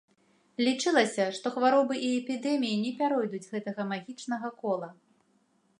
Лічылася, што хваробы і эпідэміі не пяройдуць гэтага магічнага кола.